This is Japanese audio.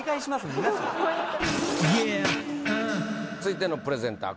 皆さん続いてのプレゼンター